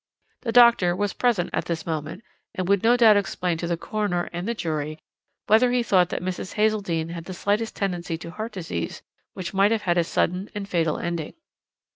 The doctor was present at this moment, and would no doubt explain to the coroner and the jury whether he thought that Mrs. Hazeldene had the slightest tendency to heart disease, which might have had a sudden and fatal ending.